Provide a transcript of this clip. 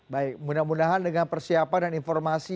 baik mudah mudahan dengan persiapan dan informasi